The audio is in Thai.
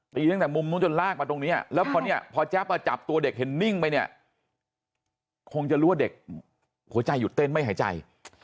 ตั้งแต่มุมนู้นจนลากมาตรงนี้แล้วพอเนี่ยพอแจ๊บมาจับตัวเด็กเห็นนิ่งไปเนี่ยคงจะรู้ว่าเด็กหัวใจหยุดเต้นไม่หายใจ